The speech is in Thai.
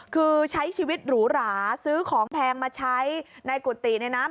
คือใช้ชีวิตหรูหราซื้อของแพงมาใช้ในกุฏิในน้ำ